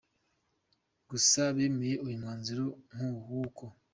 gusa bemeye uyu mwanzuro w’uko